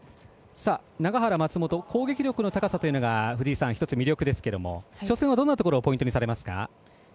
攻撃力の高さというのが１つ魅力ですが初戦はどんなところをポイントにされますか。